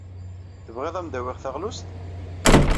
Tebɣid ad am-d-awyeɣ taɣlust?